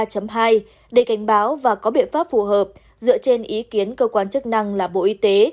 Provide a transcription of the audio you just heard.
chủ tịch ubnd tp hcm đã cảnh báo và có biện pháp phù hợp dựa trên ý kiến cơ quan chức năng là bộ y tế